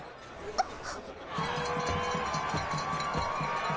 あっ。